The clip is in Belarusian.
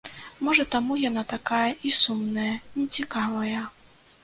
Можа, таму яна такая і сумная, нецікавая.